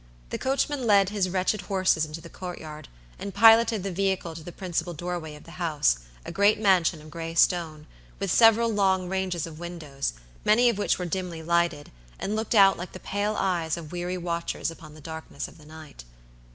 The coachman led his wretched horses into the courtyard, and piloted the vehicle to the principal doorway of the house, a great mansion of gray stone, with several long ranges of windows, many of which were dimly lighted, and looked out like the pale eyes of weary watchers upon the darkness of the night.